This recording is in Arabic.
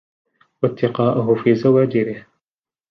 وَاتِّقَاءَهُ فِي زَوَاجِره